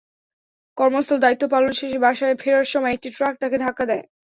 কর্মস্থলে দায়িত্ব পালন শেষে বাসায় ফেরার সময় একটি ট্রাক তাঁকে ধাক্কা দেয়।